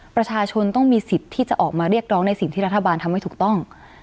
ประชาชนต้องมีสิทธิ์ที่จะออกมาเรียกร้องในสิ่งที่รัฐบาลทำให้ถูกต้อง